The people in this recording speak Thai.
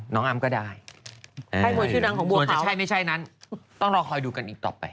ของอ้ำก็ได้ส่วนจะใช่ไม่ใช่นั้นต้องรอคอยดูกันอีกต่อไป